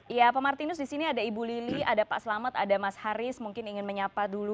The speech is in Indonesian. ya pak martinus di sini ada ibu lili ada pak selamat ada mas haris mungkin ingin menyapa dulu